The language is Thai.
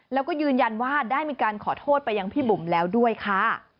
แล้วก็ยืนยันว่าได้มีการขอโทษไปยังพี่บุ๋มแล้วด้วยค่ะ